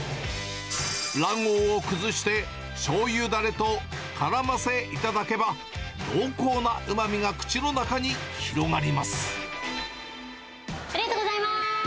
卵黄を崩して、しょうゆだれとからませ頂けば、濃厚なうまみが口の中に広がりまありがとうございます。